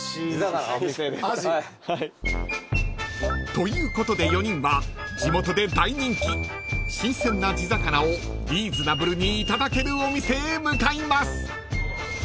［ということで４人は地元で大人気新鮮な地魚をリーズナブルにいただけるお店へ向かいます］